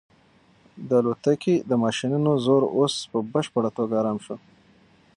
د الوتکې د ماشینونو زور اوس په بشپړه توګه ارام شو.